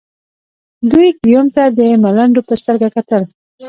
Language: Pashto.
دوی ګیوم ته د ملنډو په سترګه کتل.